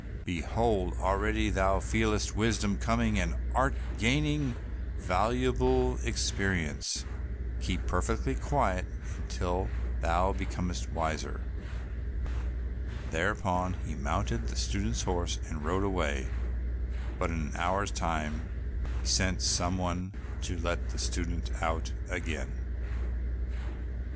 Behold, already thou feelest wisdom coming, and art gaining valuable experience. Keep perfectly quiet until thou becomest wiser." Thereupon he mounted the student's horse and rode away, but in an hour's time sent some one to let the student out again.